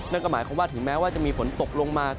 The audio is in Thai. นั่นก็หมายความว่าถึงแม้ว่าจะมีฝนตกลงมา